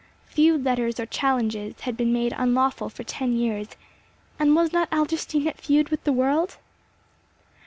Feud letters or challenges had been made unlawful for ten years, and was not Adlerstein at feud with the world?